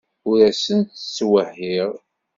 Ur asent-ttwehhiɣ.